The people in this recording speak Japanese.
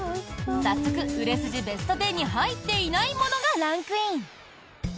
早速、売れ筋ベスト１０に入っていないものがランクイン！